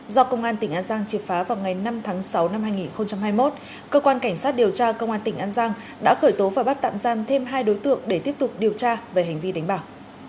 do công an tỉnh an giang triệt phá vào ngày năm tháng sáu năm hai nghìn hai mươi một cơ quan cảnh sát điều tra công an tỉnh an giang đã khởi tố và bắt tạm giam thêm hai đối tượng để tiếp tục điều tra về hành vi đánh bạc